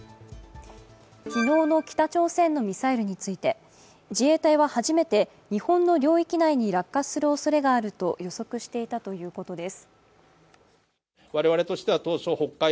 昨日の北朝鮮のミサイルについて、自衛隊は初めて日本の領域内に落下するおそれがあると予測していたということです。